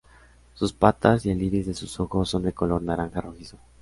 Sus patas y el iris de sus ojos son de color naranja rojizo.